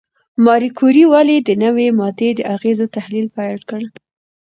ماري کوري ولې د نوې ماده د اغېزو تحلیل پیل کړ؟